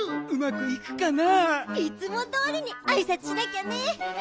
うまくいくかな？いつもどおりにあいさつしなきゃね。